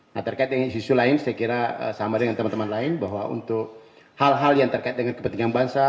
nah terkait dengan isu lain saya kira sama dengan teman teman lain bahwa untuk hal hal yang terkait dengan kepentingan bangsa